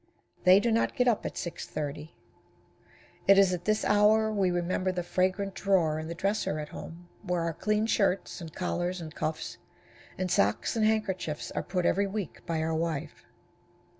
They do not get up at 6:30. It is at this hour we remember the fragrant drawer in the dresser at home where our clean shirts, and collars and cuffs, and socks and handkerchiefs, are put every week by our wife.